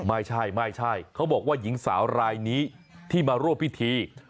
ไม่ใช่ไม่ใช่เขาบอกว่าหญิงสาวรายนี้ที่มาร่วมพิธี